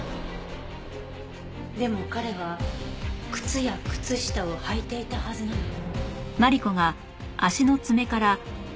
でも彼は靴や靴下を履いていたはずなのに。